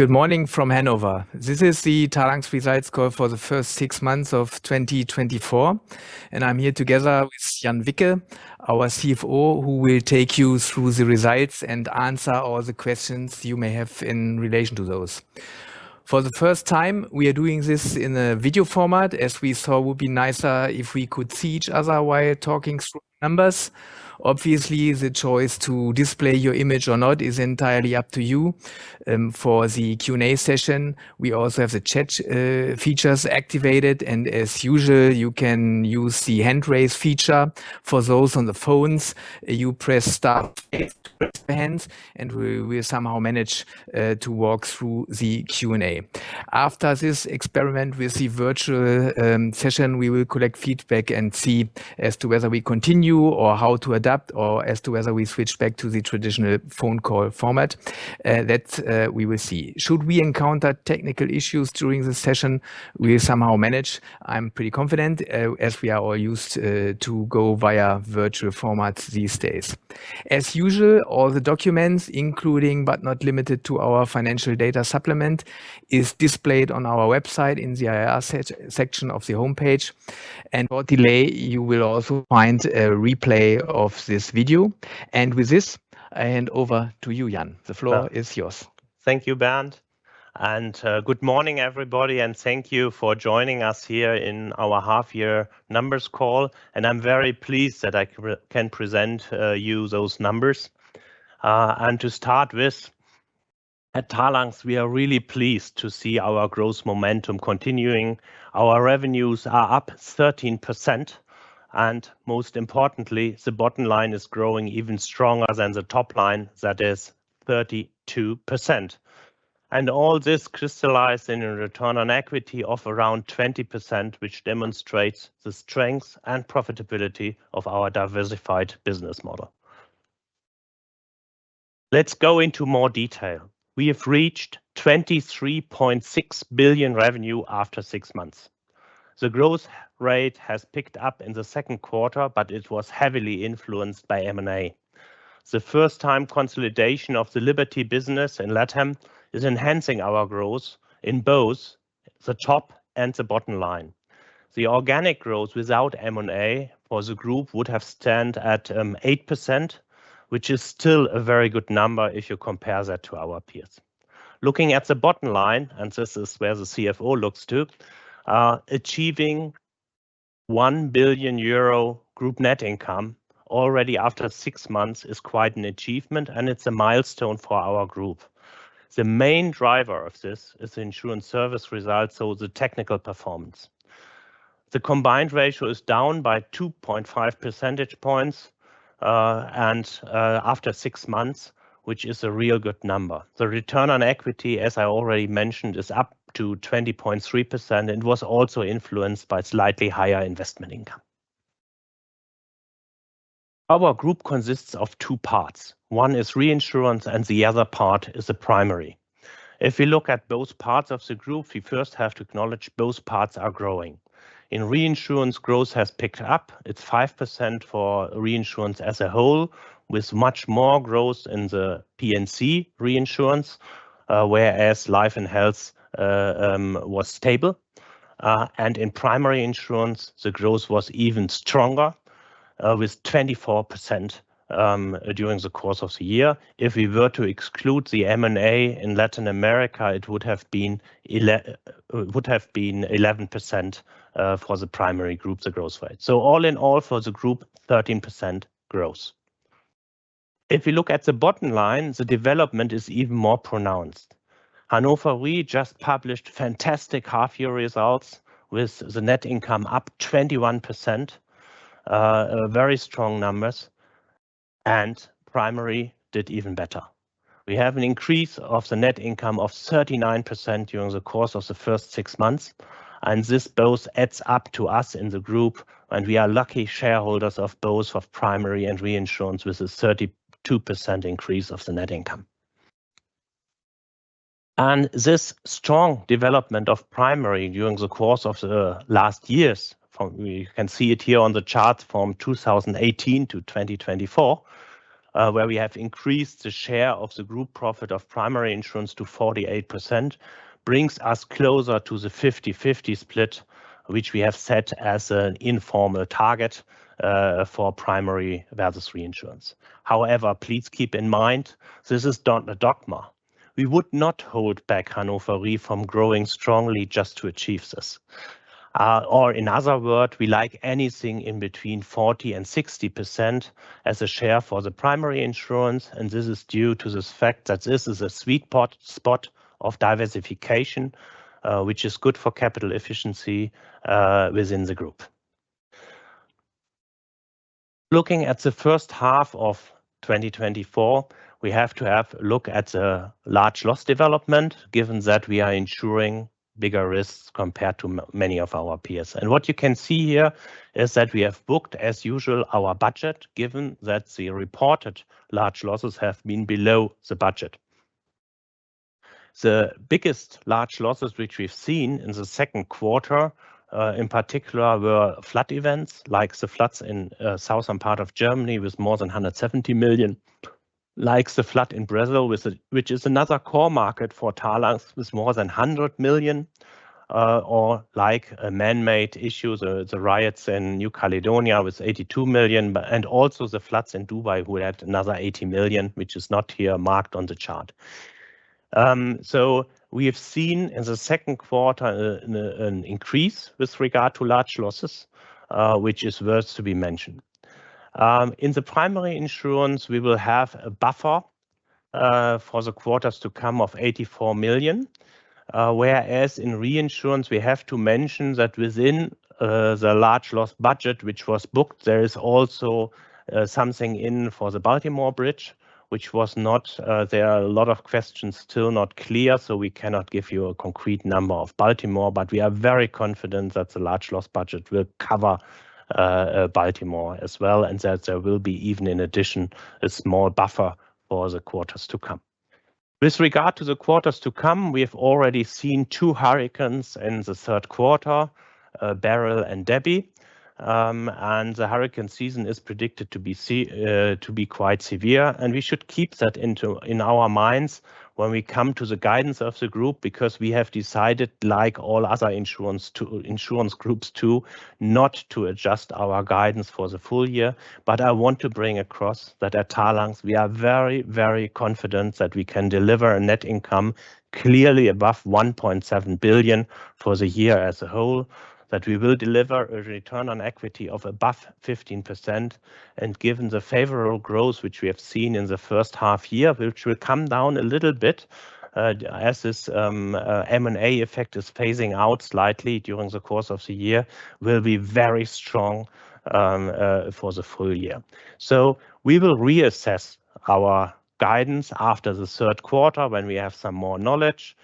Good morning from Hannover. This is the Talanx results call for the first six months of 2024, and I'm here together with Jan Wicke, our CFO, who will take you through the results and answer all the questions you may have in relation to those. For the first time, we are doing this in a video format, as we thought it would be nicer if we could see each other while talking through numbers. Obviously, the choice to display your image or not is entirely up to you. For the Q&A session, we also have the chat features activated, and as usual, you can use the hand raise feature. For those on the phones, you press star, eight to raise hands, and we will somehow manage to walk through the Q&A. After this experiment with the virtual session, we will collect feedback and see as to whether we continue or how to adapt, or as to whether we switch back to the traditional phone call format. That, we will see. Should we encounter technical issues during the session, we'll somehow manage. I'm pretty confident, as we are all used to go via virtual formats these days. As usual, all the documents, including but not limited to our financial data supplement, is displayed on our website in the IR section of the homepage, and for later, you will also find a replay of this video. And with this, I hand over to you, Jan. The floor is yours. Thank you, Bernd, and good morning, everybody, and thank you for joining us here in our half-year numbers call. I'm very pleased that I can present you those numbers. And to start with, at Talanx, we are really pleased to see our growth momentum continuing. Our revenues are up 13%, and most importantly, the bottom line is growing even stronger than the top line, that is 32%. And all this crystallized in a return on equity of around 20%, which demonstrates the strength and profitability of our diversified business model. Let's go into more detail. We have reached 23.6 billion revenue after six months. The growth rate has picked up in the second quarter, but it was heavily influenced by M&A. The first time consolidation of the Liberty business in LATAM is enhancing our growth in both the top and the bottom line. The organic growth without M&A for the group would have stand at, eight percent, which is still a very good number if you compare that to our peers. Looking at the bottom line, and this is where the CFO looks to, achieving 1 billion euro group net income already after six months is quite an achievement, and it's a milestone for our group. The main driver of this is the insurance service results, so the technical performance. The combined ratio is down by 2.5 percentage points, and, after six months, which is a real good number. The return on equity, as I already mentioned, is up to 20.3% and was also influenced by slightly higher investment income. Our group consists of two parts. One is Reinsurance, and the other part is the primary. If you look at both parts of the group, you first have to acknowledge both parts are growing. In Reinsurance, growth has picked up. It's 5% for Reinsurance as a whole, with much more growth in the P&C Reinsurance, whereas Life and Health was stable. In Primary Insurance, the growth was even stronger, with 24% during the course of the year. If we were to exclude the M&A in Latin America, it would have been 11% for the primary group, the growth rate. All in all, for the group, 13% growth. If you look at the bottom line, the development is even more pronounced. Hanover, we just published fantastic half-year results, with the net income up 21%, very strong numbers, and primary did even better. We have an increase of the net income of 39% during the course of the first six months, and this both adds up to us in the group, and we are lucky shareholders of both of primary and reinsurance, with a 32% increase of the net income. And this strong development of primary during the course of the last years, from- you can see it here on the chart, from 2018-2024, where we have increased the share of the group profit of Primary Insurance to 48%, brings us closer to the 50/50 split, which we have set as an informal target, for primary versus reinsurance. However, please keep in mind, this is not a dogma. We would not hold back Hannover Re from growing strongly just to achieve this. Or in other words, we like anything in between 40%-60% as a share for the Primary Insurance, and this is due to the fact that this is a sweet spot of diversification, which is good for capital efficiency, within the group. Looking at the first half of 2024, we have to have a look at the large loss development, given that we are ensuring bigger risks compared to many of our peers. And what you can see here is that we have booked, as usual, our budget, given that the reported large losses have been below the budget. The biggest large losses, which we've seen in the second quarter, in particular, were flood events, like the floods in southern part of Germany, with more than 170 million, like the flood in Brazil, which is another core market for Talanx with more than 100 million, or like a man-made issue, the riots in New Caledonia with 82 million, but and also the floods in Dubai, who had another 80 million, which is not here marked on the chart. So we have seen in the second quarter, an increase with regard to large losses, which is worth to be mentioned. In the Primary Insurance, we will have a buffer for the quarters to come of 84 million, whereas in Reinsurance, we have to mention that within the large loss budget, which was booked, there is also something in for the Baltimore Bridge, which was not, there are a lot of questions still not clear, so we cannot give you a concrete number of Baltimore, but we are very confident that the large loss budget will cover Baltimore as well, and that there will be even in addition a small buffer for the quarters to come. With regard to the quarters to come, we have already seen two hurricanes in the third quarter, Beryl and Debby. And the hurricane season is predicted to be quite severe, and we should keep that in our minds when we come to the guidance of the group, because we have decided, like all other insurance groups, too, not to adjust our guidance for the full year. But I want to bring across that at Talanx, we are very, very confident that we can deliver a net income clearly above 1.7 billion for the year as a whole, that we will deliver a return on equity of above 15%, and given the favorable growth, which we have seen in the first half year, which will come down a little bit, as this M&A effect is phasing out slightly during the course of the year, will be very strong, for the full year. So we will reassess our guidance after the third quarter when we have some more knowledge,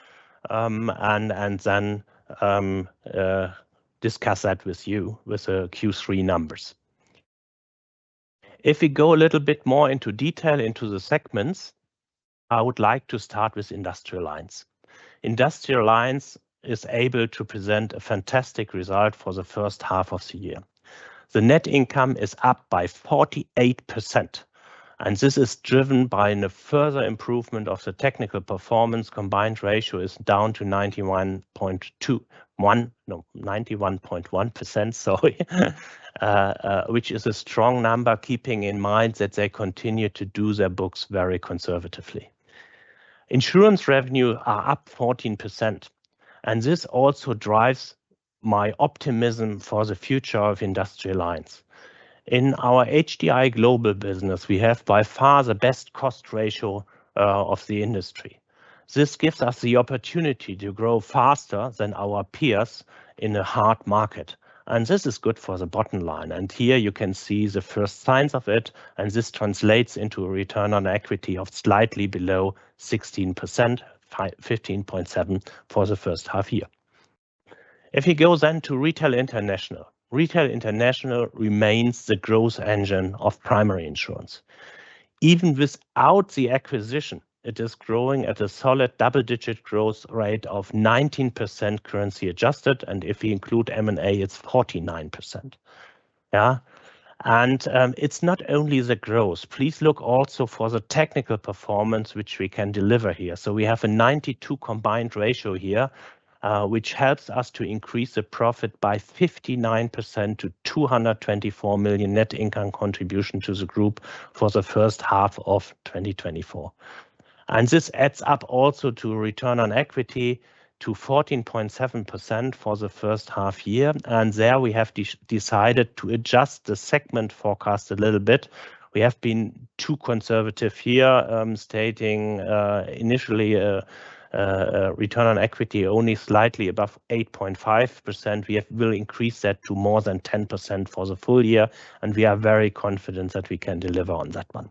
and then discuss that with you with the Q3 numbers. If we go a little bit more into detail into the segments, I would like to start with Industrial Lines. Industrial Lines is able to present a fantastic result for the first half of the year. The net income is up by 48%, and this is driven by the further improvement of the technical performance. Combined ratio is down to 91.1%, sorry, which is a strong number, keeping in mind that they continue to do their books very conservatively. Insurance revenue are up 14%, and this also drives my optimism for the future of Industrial Lines. In our HDI Global business, we have by far the best cost ratio of the industry. This gives us the opportunity to grow faster than our peers in a hard market, and this is good for the bottom line. Here you can see the first signs of it, and this translates into a return on equity of slightly below 16%, 15.7%, for the first half year. If you go then to Retail International, Retail International remains the growth engine of Primary Insurance. Even without the acquisition, it is growing at a solid double-digit growth rate of 19% currency adjusted, and if we include M&A, it's 49%. Yeah. It's not only the growth. Please look also for the technical performance, which we can deliver here. So we have a 92 combined ratio here, which helps us to increase the profit by 59% to 224 million net income contribution to the group for the first half of 2024. And this adds up also to a return on equity to 14.7% for the first half year. And there we have decided to adjust the segment forecast a little bit. We have been too conservative here, stating, initially, a return on equity only slightly above 8.5%. We will increase that to more than 10% for the full year, and we are very confident that we can deliver on that one.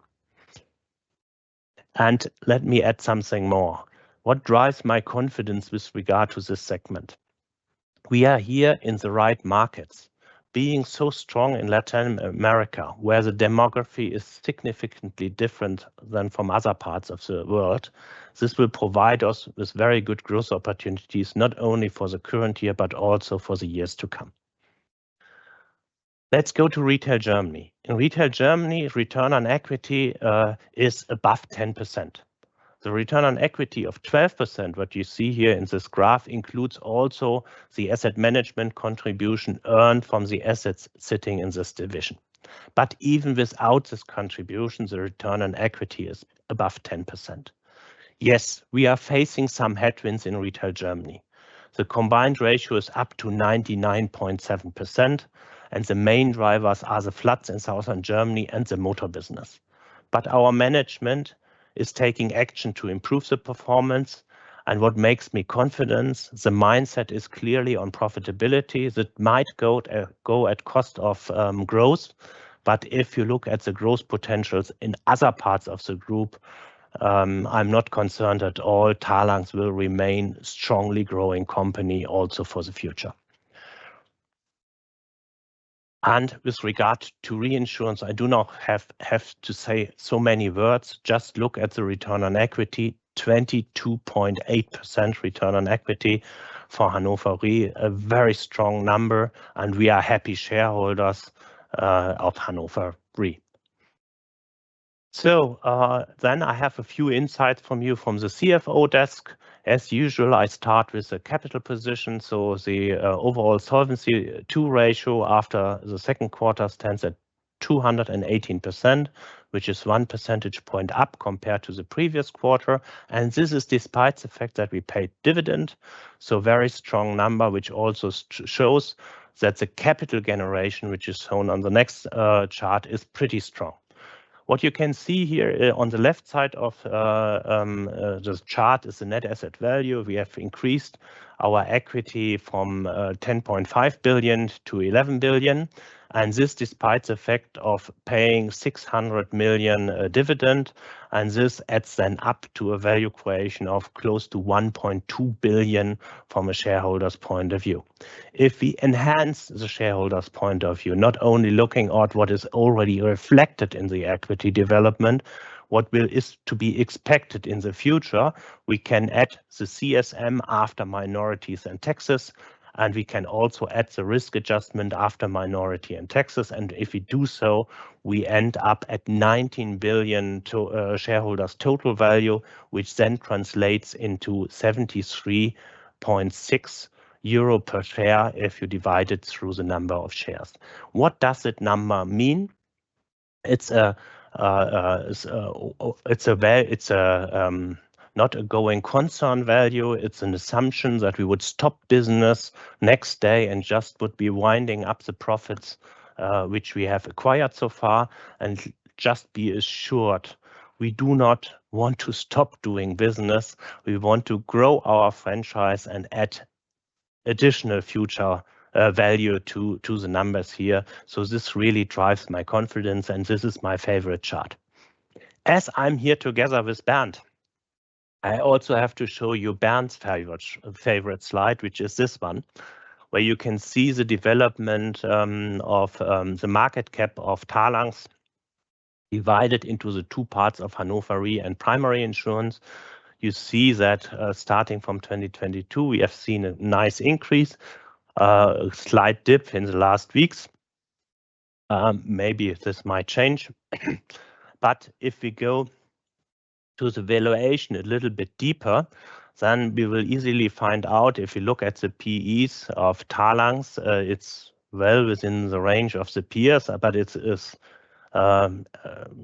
And let me add something more. What drives my confidence with regard to this segment? We are here in the right markets. Being so strong in Latin America, where the demography is significantly different than from other parts of the world, this will provide us with very good growth opportunities, not only for the current year, but also for the years to come. Let's go to Retail Germany. In Retail Germany, return on equity is above 10%. The return on equity of 12%, what you see here in this graph, includes also the asset management contribution earned from the assets sitting in this division. But even without this contribution, the return on equity is above 10%. Yes, we are facing some headwinds in Retail Germany. The combined ratio is up to 99.7%, and the main drivers are the floods in Southern Germany and the motor business. But our management is taking action to improve the performance, and what gives me confidence, the mindset is clearly on profitability. That might go at cost of growth. But if you look at the growth potentials in other parts of the group, I'm not concerned at all. Talanx will remain a strongly growing company also for the future. And with regard to reinsurance, I do not have to say so many words. Just look at the return on equity, 22.8% return on equity for Hannover Re, a very strong number, and we are happy shareholders of Hannover Re. So, then I have a few insights for you from the CFO desk. As usual, I start with the capital position, so the overall Solvency II ratio after the second quarter stands at 218%, which is one percentage point up compared to the previous quarter, and this is despite the fact that we paid dividend. So very strong number, which also shows that the capital generation, which is shown on the next chart, is pretty strong. What you can see here on the left side of the chart, is the net asset value. We have increased our equity from 10.5 billion to 11 billion, and this despite the fact of paying 600 million dividend, and this adds then up to a value creation of close to 1.2 billion from a shareholder's point of view. If we enhance the shareholder's point of view, not only looking at what is already reflected in the equity development, what is to be expected in the future, we can add the CSM after minority interests, and we can also add the risk adjustment after minority interests. And if we do so, we end up at 19 billion shareholders' total value, which then translates into 73.6 euro per share if you divide it through the number of shares. What does that number mean? It's not a going concern value. It's an assumption that we would stop business next day and just would be winding up the profits, which we have acquired so far. And just be assured, we do not want to stop doing business. We want to grow our franchise and add additional future value to the numbers here. So this really drives my confidence, and this is my favorite chart. As I'm here together with Bernd, I also have to show you Bernd's favorite, favorite slide, which is this one, where you can see the development of the market cap of Talanx divided into the two parts of Hannover Re and Primary Insurance. You see that, starting from 2022, we have seen a nice increase, a slight dip in the last weeks. Maybe this might change. But if we go to the valuation a little bit deeper, then we will easily find out, if you look at the PEs of Talanx, it's well within the range of the peers.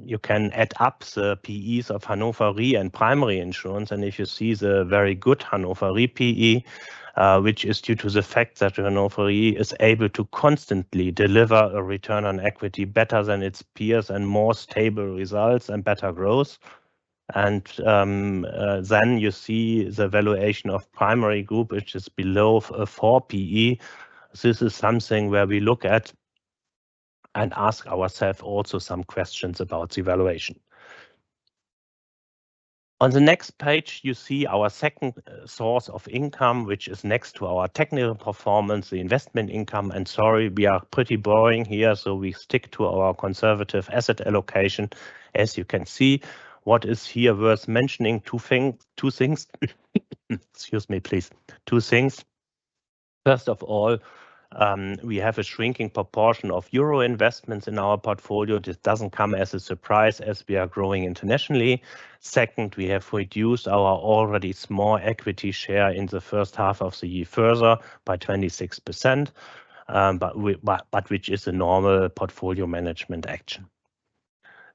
You can add up the PEs of Hannover Re and Primary Insurance, and if you see the very good Hannover Re PE, which is due to the fact that Hannover Re is able to constantly deliver a return on equity better than its peers and more stable results and better growth. Then you see the valuation of Primary Insurance, which is below a 4 PE. This is something where we look at and ask ourselves also some questions about the valuation. On the next page, you see our second source of income, which is next to our technical performance, the investment income, and sorry, we are pretty boring here, so we stick to our conservative asset allocation. As you can see, what is here worth mentioning, two things. Excuse me, please. Two things. First of all, we have a shrinking proportion of euro investments in our portfolio. This doesn't come as a surprise, as we are growing internationally. Second, we have reduced our already small equity share in the first half of the year further by 26%, but which is a normal portfolio management action.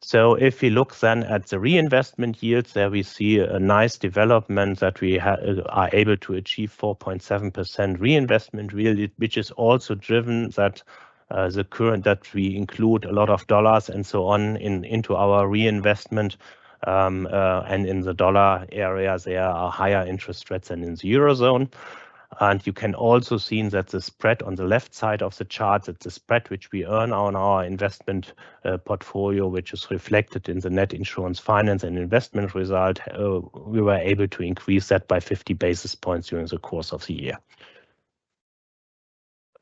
So if you look then at the reinvestment yields, there we see a nice development, that we are able to achieve 4.7% reinvestment yield, which is also driven that, the current, that we include a lot of dollars and so on in, into our reinvestment. And in the dollar areas, there are higher interest rates than in the eurozone. You can also see that the spread on the left side of the chart, that the spread which we earn on our investment portfolio, which is reflected in the net insurance, finance, and investment result, we were able to increase that by 50 basis points during the course of the year.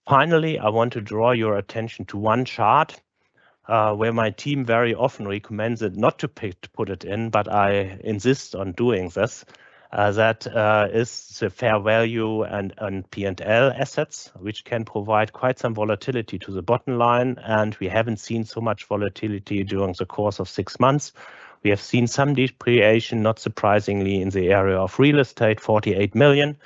Finally, I want to draw your attention to one chart, where my team very often recommends that not to put it in, but I insist on doing this. That is the fair value and P&L assets, which can provide quite some volatility to the bottom line, and we haven't seen so much volatility during the course of six months. We have seen some depreciation, not surprisingly, in the area of real estate, 48 million,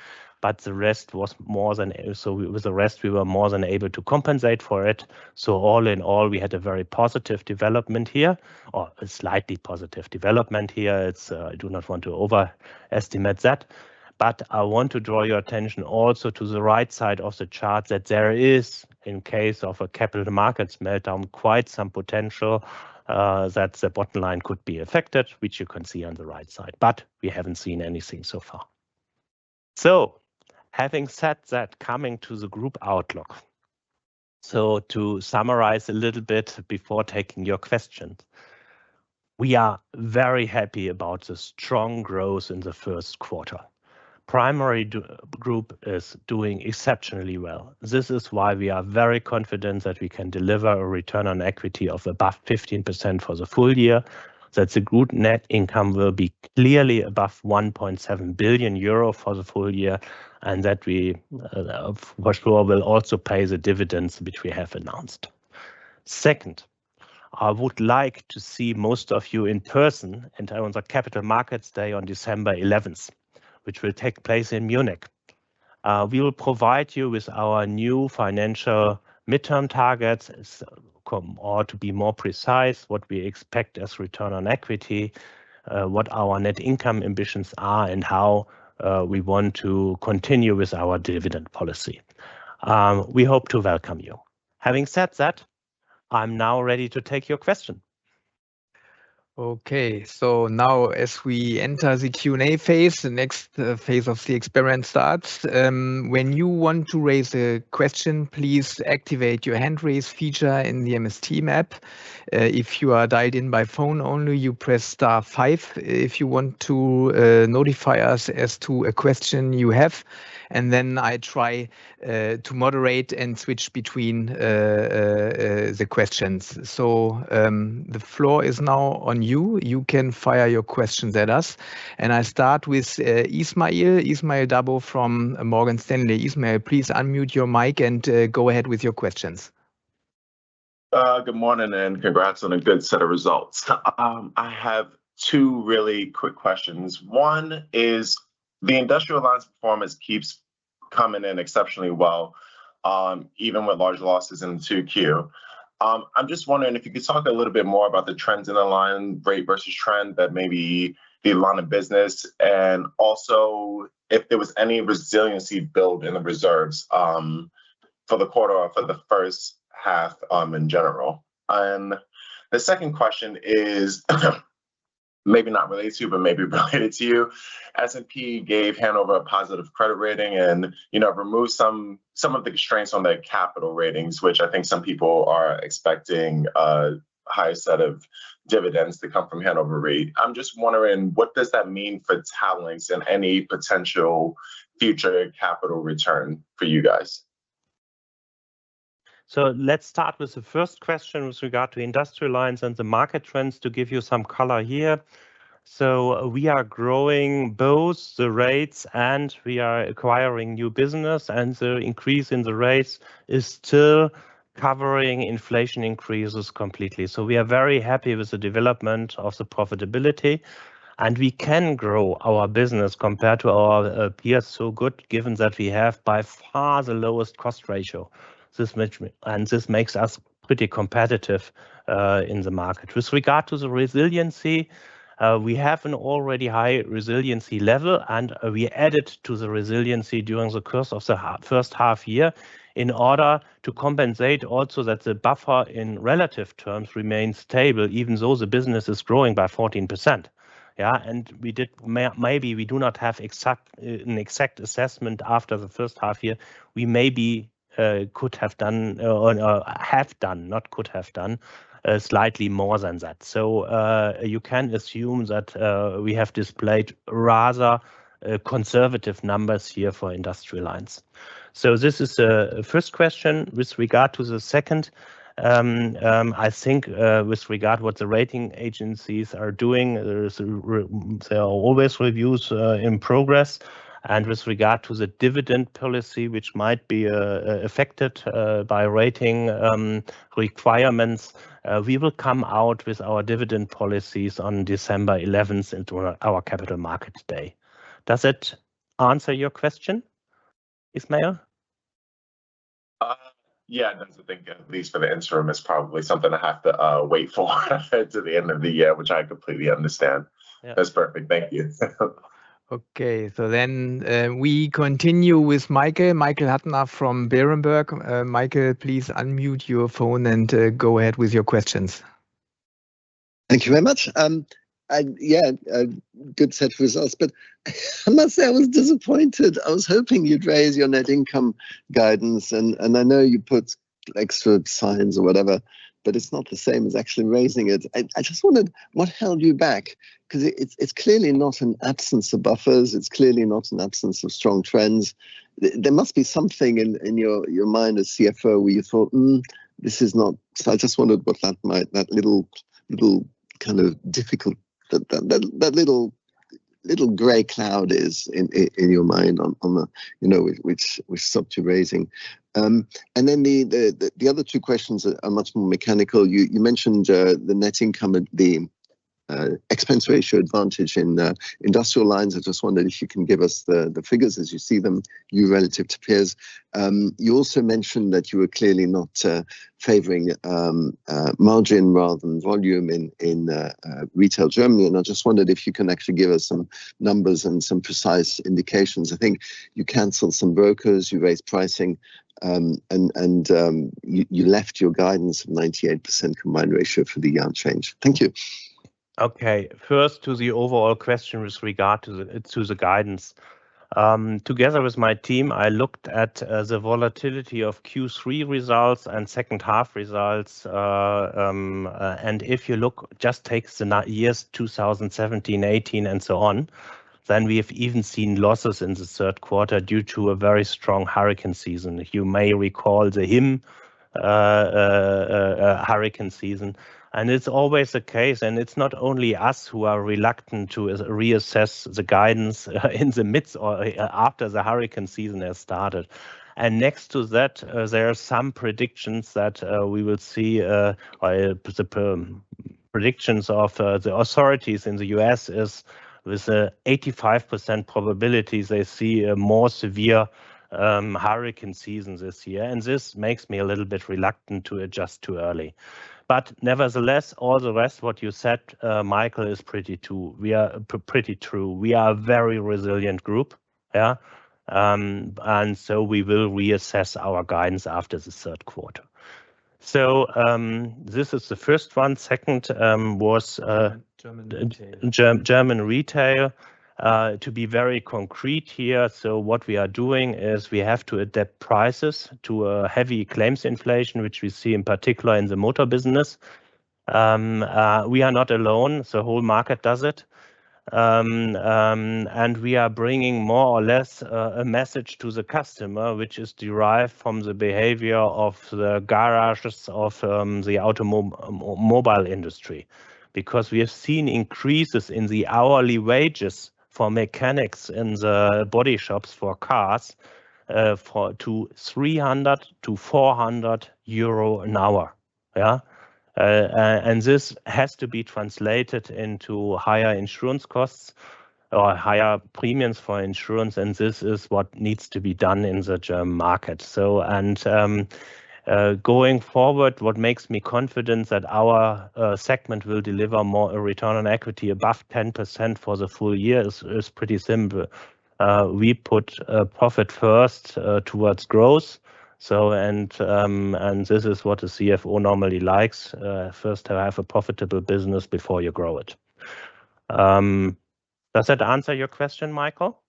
but the rest was more than. So with the rest, we were more than able to compensate for it. So all in all, we had a very positive development here, or a slightly positive development here. It's. I do not want to overestimate that, but I want to draw your attention also to the right side of the chart, that there is, in case of a capital markets meltdown, quite some potential that the bottom line could be affected, which you can see on the right side, but we haven't seen anything so far. So having said that, coming to the group outlook. So to summarize a little bit before taking your questions, we are very happy about the strong growth in the first quarter. Primary group is doing exceptionally well. This is why we are very confident that we can deliver a return on equity of above 15% for the full year, that the group net income will be clearly above 1.7 billion euro for the full year, and that we first of all, will also pay the dividends which we have announced. Second, I would like to see most of you in person at our Capital Markets Day on December 11th, which will take place in Munich. We will provide you with our new financial midterm targets, as come, or to be more precise, what we expect as return on equity, what our net income ambitions are, and how we want to continue with our dividend policy. We hope to welcome you. Having said that, I'm now ready to take your question. Okay, so now as we enter the Q&A phase, the next phase of the experiment starts. When you want to raise a question, please activate your hand raise feature in the MS Teams. If you are dialed in by phone only, you press star five if you want to notify us as to a question you have, and then I try to moderate and switch between the questions. So, the floor is now on you. You can fire your questions at us, and I start with Ismail. Ismael Dabo from Morgan Stanley. Ismail, please unmute your mic and go ahead with your questions. Good morning, and congrats on a good set of results. I have two really quick questions. One is, the Industrial Lines performance keeps coming in exceptionally well, even with large losses in the 2Q. I'm just wondering if you could talk a little bit more about the trends in the line, rate versus trend, that maybe the amount of business, and also if there was any resiliency built in the reserves, for the quarter or for the first half, in general? And the second question is, maybe not related to you, but maybe related to you. S&P gave Hannover a positive credit rating and, you know, removed some, some of the constraints on the capital ratings, which I think some people are expecting a higher set of dividends to come from Hannover Re. I'm just wondering, what does that mean for Talanx and any potential future capital return for you guys? So let's start with the first question with regard to Industrial Lines and the market trends, to give you some color here. So we are growing both the rates, and we are acquiring new business, and the increase in the rates is still covering inflation increases completely. So we are very happy with the development of the profitability, and we can grow our business compared to our peers, so good, given that we have by far the lowest cost ratio. And this makes us pretty competitive in the market. With regard to the resiliency, we have an already high resiliency level, and we added to the resiliency during the course of the first half year in order to compensate also, that the buffer in relative terms remains stable, even though the business is growing by 14%. Yeah, and we did. Maybe we do not have exact, an exact assessment after the first half year. We maybe could have done, or have done, not could have done, slightly more than that. So, you can assume that, we have displayed rather conservative numbers here for Industrial Lines. So this is the first question. With regard to the second, I think, with regard what the rating agencies are doing, there are always reviews in progress. And with regard to the dividend policy, which might be affected by rating requirements, we will come out with our dividend policies on December 11th into our Capital Markets Day. Does it answer your question, Ismael? Yeah, that's the thing, at least for the interim, it's probably something I have to wait for until the end of the year, which I completely understand. Yeah. That's perfect. Thank you. Okay, so then, we continue with Michael. Michael Huttner from Berenberg. Michael, please unmute your phone and go ahead with your questions. Thank you very much. Yeah, a good set of results, but I must say I was disappointed. I was hoping you'd raise your net income guidance, and I know you put asterisks or whatever, but it's not the same as actually raising it. I just wondered what held you back? 'Cause it's clearly not an absence of buffers, it's clearly not an absence of strong trends. There must be something in your mind as CFO, where you thought, "Mm, this is not." So I just wondered what that might be, that little kind of difficult, that little gray cloud is in your mind, you know, which stopped you raising. And then the other two questions are much more mechanical. You mentioned the net income and the expense ratio advantage in Industrial Lines. I just wondered if you can give us the figures as you see them, you relative to peers. You also mentioned that you were clearly not favoring margin rather than volume in Retail Germany, and I just wondered if you can actually give us some numbers and some precise indications. I think you canceled some brokers, you raised pricing, and you left your guidance of 98% combined ratio for the year unchanged. Thank you. Okay, first, to the overall question with regard to the, to the guidance. Together with my team, I looked at the volatility of Q3 results and second half results. And if you look, just take the nine years 2017, 2018, and so on. Then we have even seen losses in the third quarter due to a very strong hurricane season. You may recall the Irma hurricane season, and it's always the case, and it's not only us who are reluctant to reassess the guidance, in the midst or after the hurricane season has started. Next to that, there are some predictions that we will see by the predictions of the authorities in the U.S. There's an 85% probability they see a more severe hurricane season this year, and this makes me a little bit reluctant to adjust too early. But nevertheless, all the rest, what you said, Michael, is pretty true. We are pretty true. We are a very resilient group. Yeah. And so we will reassess our guidance after the third quarter. So, this is the first one. Second, was. German retail German retail. To be very concrete here, so what we are doing is we have to adapt prices to a heavy claims inflation, which we see in particular in the motor business. We are not alone, the whole market does it. And we are bringing more or less a message to the customer, which is derived from the behavior of the garages, of the automobile industry. Because we have seen increases in the hourly wages for mechanics in the body shops for cars to 300-400 euro an hour. And this has to be translated into higher insurance costs or higher premiums for insurance, and this is what needs to be done in the German market. So, going forward, what makes me confident that our segment will deliver more return on equity above 10% for the full year is pretty simple. We put profit first towards growth, and this is what a CFO normally likes. First have a profitable business before you grow it. Does that answer your question, Michael?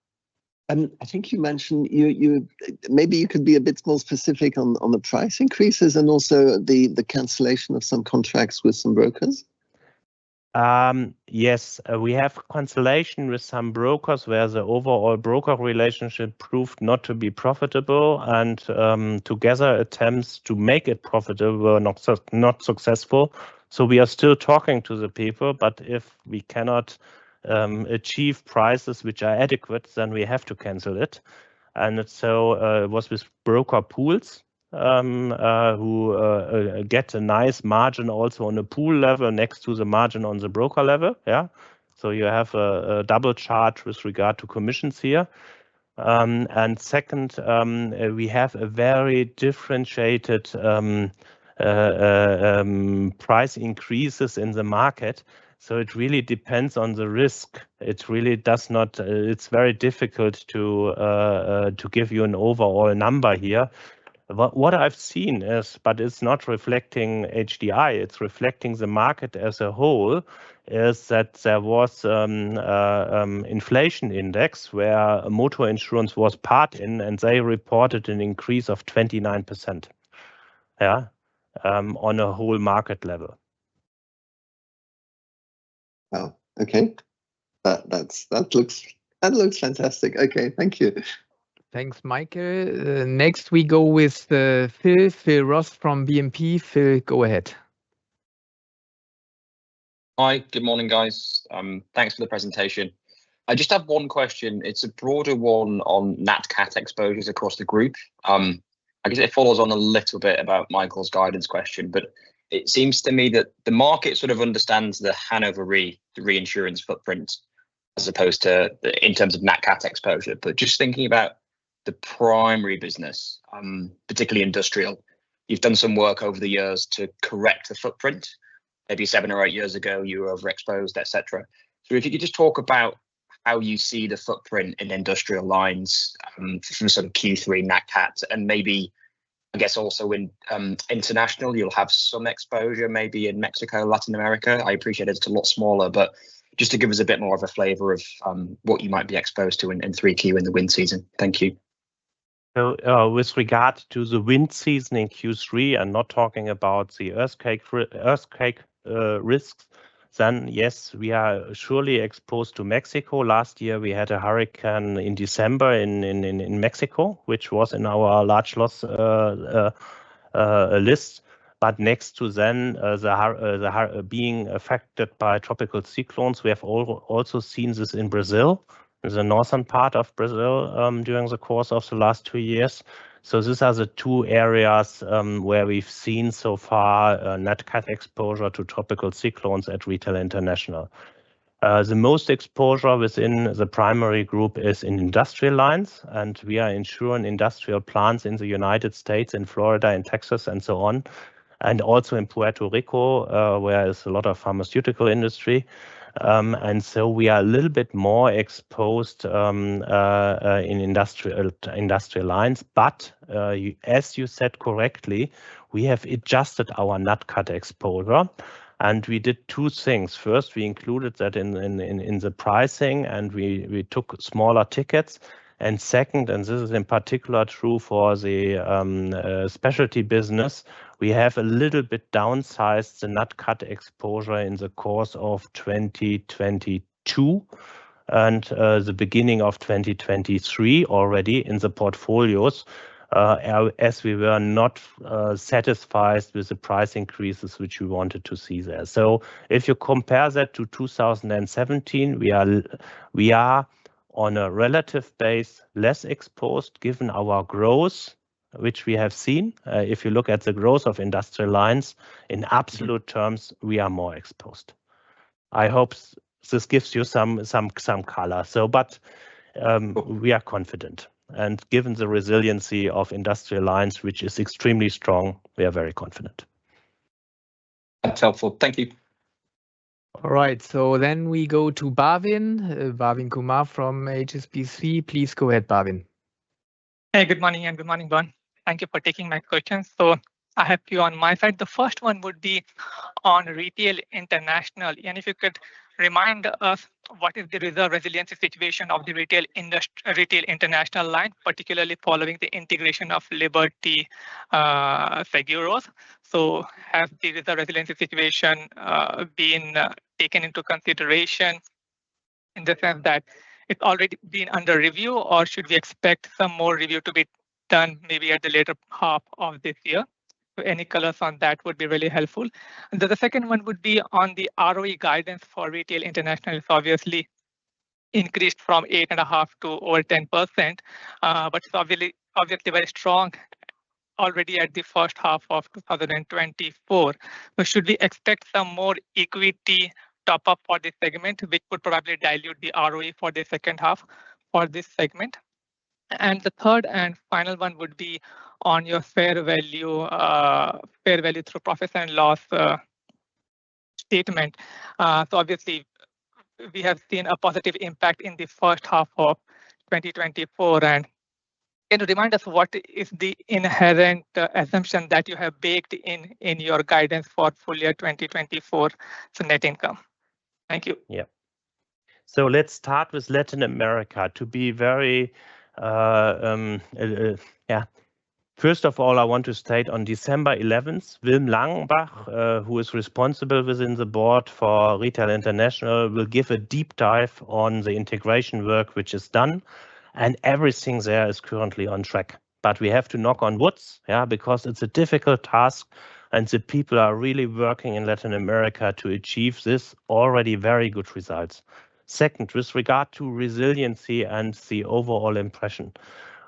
I think you mentioned you. Maybe you could be a bit more specific on the price increases and also the cancellation of some contracts with some brokers? Yes. We have cancellation with some brokers where the overall broker relationship proved not to be profitable, and together attempts to make it profitable were not successful. So we are still talking to the people, but if we cannot achieve prices which are adequate, then we have to cancel it. And so was with broker pools who get a nice margin also on the pool level next to the margin on the broker level. Yeah? So you have a double charge with regard to commissions here. And second, we have a very differentiated price increases in the market, so it really depends on the risk. It really does not. It's very difficult to give you an overall number here. But what I've seen is, but it's not reflecting HDI, it's reflecting the market as a whole, is that there was inflation index where motor insurance was part in, and they reported an increase of 29%. Yeah, on a whole market level. Wow, okay. That looks fantastic. Okay, thank you. Thanks, Michael. Next we go with Phil, Phil Ross from BNP Paribas. Phil, go ahead. Hi. Good morning, guys. Thanks for the presentation. I just have one question, it's a broader one on nat cat exposures across the group. I guess it follows on a little bit about Michael's guidance question, but it seems to me that the market sort of understands the Hannover Re, the reinsurance footprint, as opposed to the, in terms of nat cat exposure. But just thinking about the primary business, particularly industrial, you've done some work over the years to correct the footprint. Maybe 7 or 8 years ago, you were overexposed, etc. So if you could just talk about how you see the footprint in Industrial Lines, from some Q3 nat cats, and maybe, I guess also in, international, you'll have some exposure, maybe in Mexico, Latin America. I appreciate it's a lot smaller, but just to give us a bit more of a flavor of what you might be exposed to in 3Q in the wind season. Thank you. So, with regard to the wind season in Q3, I'm not talking about the earthquake risks, then yes, we are surely exposed to Mexico. Last year we had a hurricane in December in Mexico, which was in our large loss list, but next to that, the hurricane being affected by tropical cyclones, we have also seen this in Brazil, in the northern part of Brazil, during the course of the last two years. So these are the two areas where we've seen so far, nat cat exposure to tropical cyclones at Retail International. The most exposure within the primary group is in Industrial Lines, and we are insuring industrial plants in the United States, in Florida and Texas, and so on, and also in Puerto Rico, where there's a lot of pharmaceutical industry. And so we are a little bit more exposed in Industrial Lines, but as you said correctly, we have adjusted our nat cat exposure, and we did two things. First, we included that in the pricing, and we took smaller tickets. Second, and this is in particular true for the specialty business, we have a little bit downsized the nat cat exposure in the course of 2022. the beginning of 2023 already in the portfolios, as we were not satisfied with the price increases which we wanted to see there. So if you compare that to 2017, we are on a relative base, less exposed, given our growth, which we have seen. If you look at the growth of industrial lines, in absolute terms, we are more exposed. I hope this gives you some color. So but, we are confident, and given the resiliency of Industrial Lines, which is extremely strong, we are very confident. That's helpful. Thank you. All right, so then we go to Bhavin. Bhavin Kumar from HSBC. Please go ahead, Bhavin. Hey, good morning, and good morning, Bernd. Thank you for taking my questions. So I have a few on my side. The first one would be on retail international. And if you could remind us, what is the resiliency situation of the retail international line, particularly following the integration of Liberty Mutual? So has the resiliency situation been taken into consideration in the sense that it's already been under review, or should we expect some more review to be done maybe at the later half of this year? So any color on that would be really helpful. And then the second one would be on the ROE guidance for retail international. It's obviously increased from 8.5% to over 10%, but it's obviously, obviously very strong already at the first half of 2024. But should we expect some more equity top-up for this segment, which would probably dilute the ROE for the second half for this segment? And the third and final one would be on your fair value, fair value through profit and loss, statement. So obviously, we have seen a positive impact in the first half of 2024, and can you remind us what is the inherent assumption that you have baked in, in your guidance for full year 2024 to net income? Thank you. Yeah. So let's start with Latin America. To be very, yeah. First of all, I want to state on December eleventh, Wilm Langenbach, who is responsible within the board for Retail International, will give a deep dive on the integration work which is done, and everything there is currently on track. But we have to knock on wood, yeah, because it's a difficult task, and the people are really working in Latin America to achieve this already very good results. Second, with regard to resiliency and the overall impression,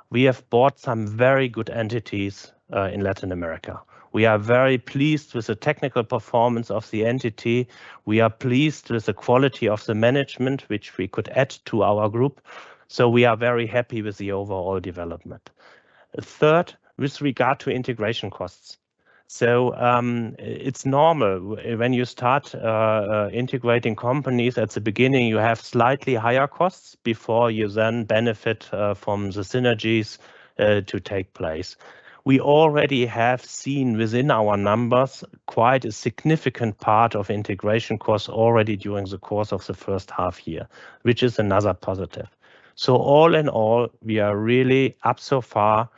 we have bought some very good entities in Latin America. We are very pleased with the technical performance of the entity. We are pleased with the quality of the management which we could add to our group, so we are very happy with the overall development. Third, with regard to integration costs. It's normal when you start integrating companies, at the beginning, you have slightly higher costs before you then benefit from the synergies to take place. We already have seen within our numbers, quite a significant part of integration costs already during the course of the first half year, which is another positive. So all in all, we are really up so far.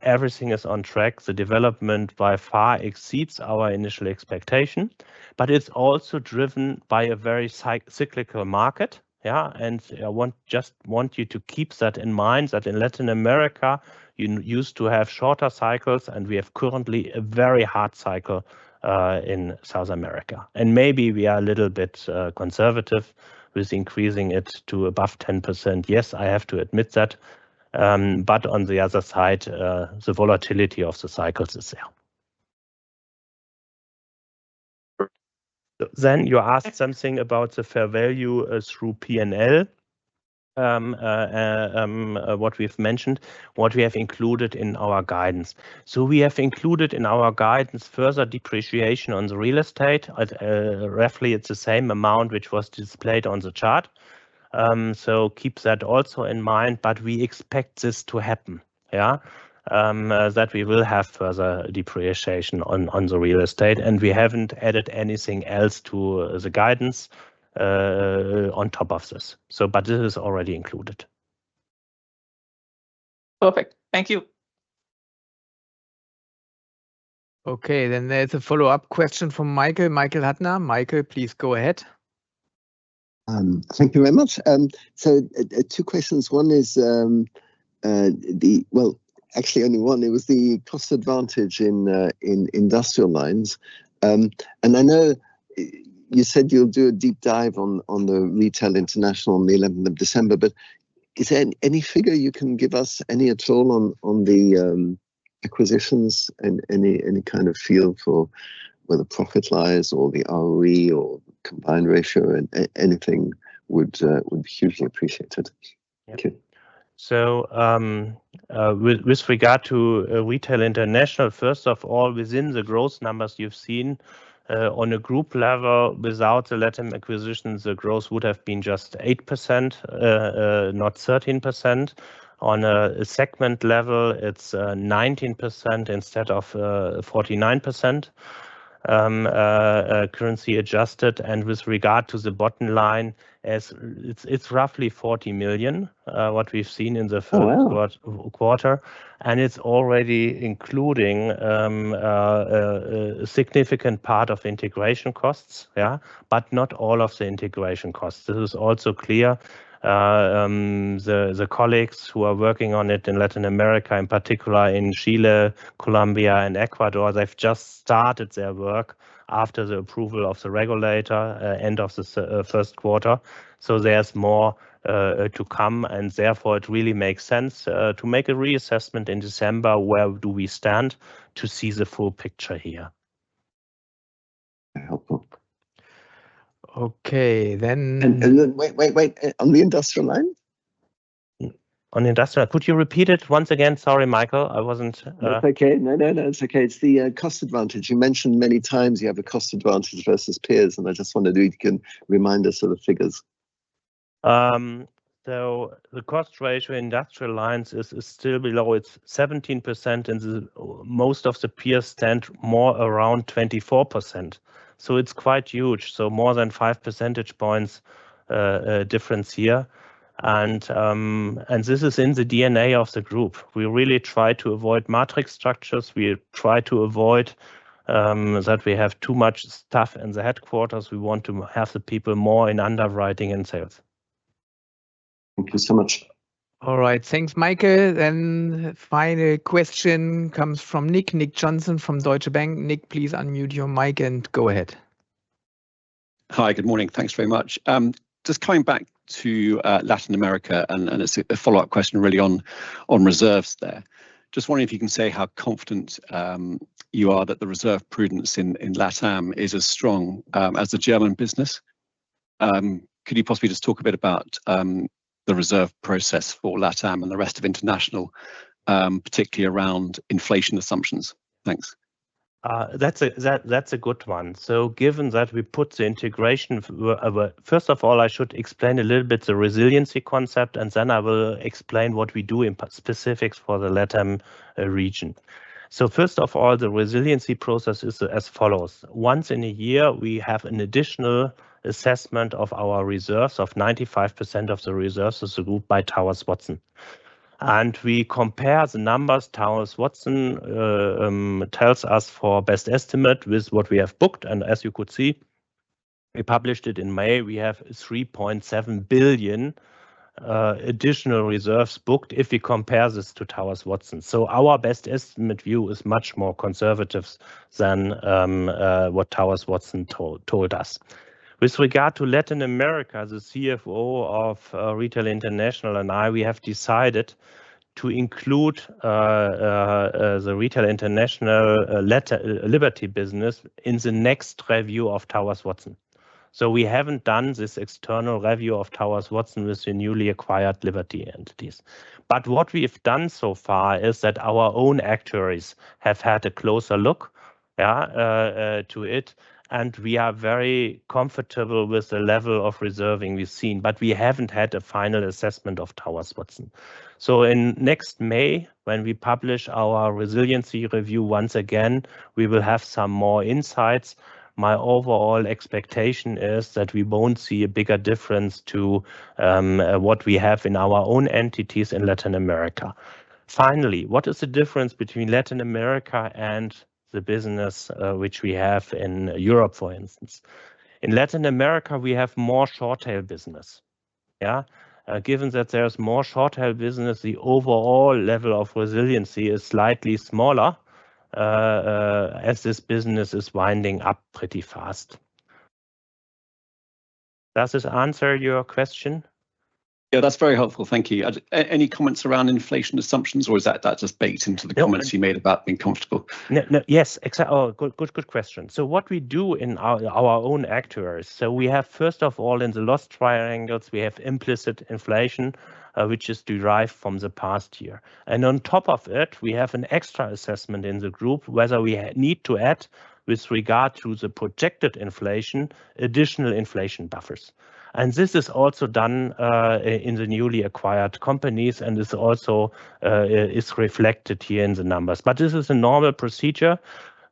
Everything is on track. The development by far exceeds our initial expectation, but it's also driven by a very cyclical market. Yeah, and I just want you to keep that in mind, that in Latin America, you used to have shorter cycles, and we have currently a very hard cycle in South America. And maybe we are a little bit conservative with increasing it to above 10%. Yes, I have to admit that, but on the other side, the volatility of the cycles is down. Then you asked something about the fair value through PNL, what we've mentioned, what we have included in our guidance. So we have included in our guidance further depreciation on the real estate. Roughly, it's the same amount which was displayed on the chart. So keep that also in mind, but we expect this to happen, yeah? That we will have further depreciation on the real estate, and we haven't added anything else to the guidance on top of this, so but this is already included. Perfect. Thank you. Okay, then there's a follow-up question from Michael, Michael Huttner. Michael, please go ahead. Thank you very much. So, two questions. One is, the. Well, actually only one. It was the cost advantage in, in Industrial Lines. And I know you said you'll do a deep dive on, on the Retail International on the eleventh of December, but is there any figure you can give us, any at all, on, on the, acquisitions and any, any kind of feel for where the profit lies or the ROE or combined ratio? Anything would be hugely appreciated. Yeah. Thank you. So, with regard to Retail International, first of all, within the growth numbers you've seen, on a group level, without the LatAm acquisitions, the growth would have been just 8%, not 13%. On a segment level, it's 19% instead of 49% currency adjusted, and with regard to the bottom line, as it's roughly 40 million what we've seen in the first quarter, and it's already including a significant part of integration costs, yeah, but not all of the integration costs. This is also clear. The colleagues who are working on it in Latin America, in particular in Chile, Colombia, and Ecuador, they've just started their work after the approval of the regulator end of the first quarter. So there's more to come, and therefore it really makes sense to make a reassessment in December, where do we stand, to see the full picture here. Helpful. Okay, then and then wait, wait, wait, on the Industrial Lines? On Industrial, could you repeat it once again? Sorry, Michael, I wasn't. That's okay. No, no, no, it's okay. It's the cost advantage. You mentioned many times you have a cost advantage versus peers, and I just wondered if you can remind us of the figures. So the cost ratio in Industrial Lines is still below. It's 17%, and most of the peers stand more around 24%, so it's quite huge, so more than five percentage points difference here. And this is in the DNA of the group. We really try to avoid matrix structures. We try to avoid that we have too much staff in the headquarters. We want to have the people more in underwriting and sales. Thank you so much. All right. Thanks, Michael. Then final question comes from Nick, Nick Johnson from Deutsche Bank. Nick, please unmute your mic and go ahead. Hi, good morning. Thanks very much. Just coming back to Latin America, and it's a follow-up question really on reserves there. Just wondering if you can say how confident you are that the reserve prudence in LatAm is as strong as the German business? Could you possibly just talk a bit about the reserve process for LatAm and the rest of international, particularly around inflation assumptions? Thanks. That's a good one. So given that we put the integration First of all, I should explain a little bit the resiliency concept, and then I will explain what we do in specifics for the LatAm region. So first of all, the resiliency process is as follows: Once in a year, we have an additional assessment of our reserves, of 95% of the reserves as a group by Towers Watson, and we compare the numbers Towers Watson tells us for best estimate with what we have booked. And as you could see, we published it in May. We have 3.7 billion additional reserves booked if we compare this to Towers Watson. So our best estimate view is much more conservative than what Towers Watson told us. With regard to Latin America, the CFO of Retail International and I, we have decided to include the Retail International Liberty business in the next review of Towers Watson. So we haven't done this external review of Towers Watson with the newly acquired Liberty entities. But what we have done so far is that our own actuaries have had a closer look to it, and we are very comfortable with the level of reserving we've seen, but we haven't had a final assessment of Towers Watson. So in next May, when we publish our resiliency review, once again, we will have some more insights. My overall expectation is that we won't see a bigger difference to what we have in our own entities in Latin America. Finally, what is the difference between Latin America and the business, which we have in Europe, for instance? In Latin America, we have more short-tail business. Yeah. Given that there's more short-tail business, the overall level of resiliency is slightly smaller, as this business is winding up pretty fast. Does this answer your question? Yeah, that's very helpful. Thank you. Any comments around inflation assumptions, or is that, that just baked into the comments. No. You made about being comfortable? No, no. Yes, oh, good, good, good question. So what we do in our own actuaries, so we have, first of all, in the loss triangles, we have implicit inflation, which is derived from the past year. And on top of it, we have an extra assessment in the group, whether we need to add, with regard to the projected inflation, additional inflation buffers. And this is also done in the newly acquired companies, and this also is reflected here in the numbers. But this is a normal procedure,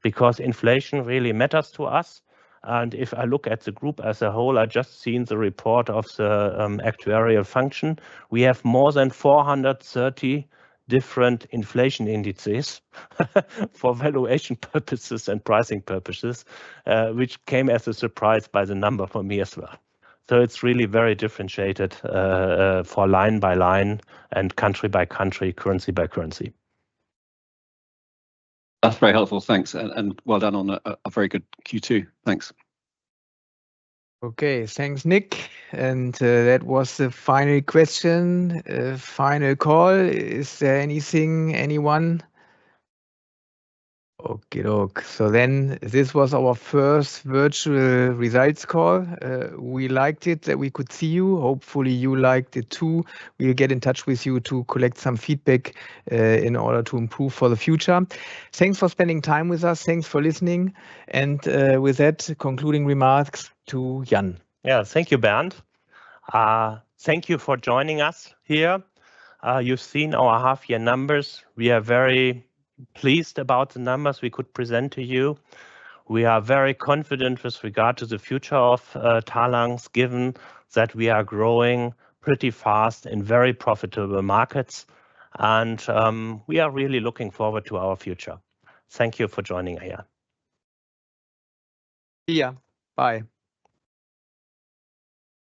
because inflation really matters to us, and if I look at the group as a whole, I just seen the report of the actuarial function. We have more than 430 different inflation indices, for valuation purposes and pricing purposes, which came as a surprise by the number for me, as well. So it's really very differentiated, for line by line and country by country, currency by currency. That's very helpful. Thanks, and well done on a very good Q2. Thanks. Okay, thanks, Nick. And, that was the final question. Final call, is there anything, anyone? Okey-doke. So then, this was our first virtual results call. We liked it that we could see you. Hopefully you liked it, too. We'll get in touch with you to collect some feedback, in order to improve for the future. Thanks for spending time with us. Thanks for listening, and, with that, concluding remarks to Jan. Yeah. Thank you, Bernd. Thank you for joining us here. You've seen our half-year numbers. We are very pleased about the numbers we could present to you. We are very confident with regard to the future of Talanx, given that we are growing pretty fast in very profitable markets, and, we are really looking forward to our future. Thank you for joining again. See you. Bye.